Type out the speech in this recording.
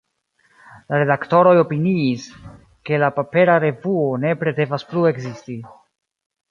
La redaktoroj opiniis, ke la papera revuo nepre devas plu ekzisti.